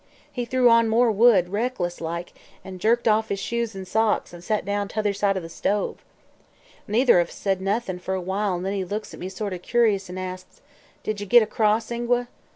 He threw on more wood, reckless like, an' jerked off his shoes an' socks an' set down t'other side the stove. Neither of us said noth'n' fer awhile an' then he looks at me sort o' curious an' asks: "'Did ye git across, Ingua?'